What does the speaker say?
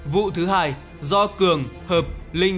vụ thứ hai do cường hợp linh